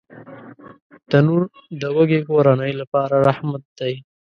تنور د وږې کورنۍ لپاره رحمت دی